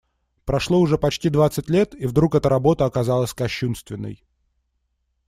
Прошло уже почти двадцать лет, и вдруг эта работа оказалась кощунственной.